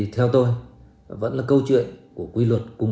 không giảm là câu trả lời chung